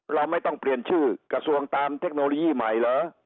เราไม่ต้องเปลี่ยนชื่อกระทรวงตามเทคโนโลยีใหม่เหรอ